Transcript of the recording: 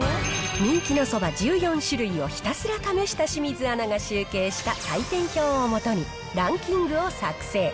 人気のそば１４種類をひたすら試した清水アナが集計した採点表を基に、ランキングを作成。